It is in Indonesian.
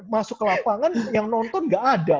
masuk ke lapangan yang nonton nggak ada